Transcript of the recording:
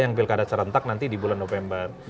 yang pilkada serentak nanti di bulan november